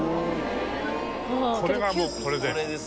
これがもうこれで。